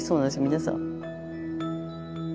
皆さん。